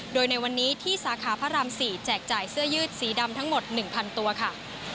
โดยในวันนี้ที่สาขาพระราม๔แจกจ่ายเสื้อยืดสีดำทั้งหมด๑๐๐ตัวค่ะ